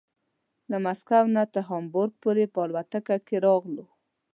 له مسکو نه تر هامبورګ پورې په الوتکه کې راغلو.